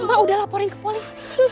mbak udah laporin ke polisi